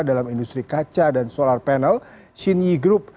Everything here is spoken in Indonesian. dalam industri kaca dan solar panel shini group